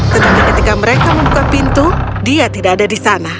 tetapi ketika mereka membuka pintu dia tidak ada di sana